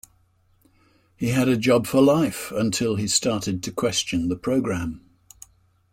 He had a job for life, until he started to question the programme